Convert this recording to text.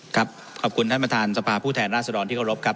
ครับขอบคุณท่านบทรรษฐานศรภาพ่อแผู้แทนราชดรที่เคารพควรครับ